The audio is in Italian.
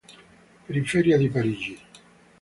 Periferia di Parigi.